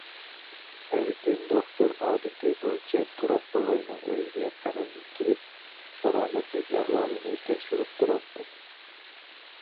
ئەركىن دوختۇر ئادىتى بويىچە تۇراپ بوۋاينىڭ ئۆيىگە قەرەللىك كېلىپ، سالامەتلىك ئەھۋالىنى تەكشۈرۈپ تۇراتتى.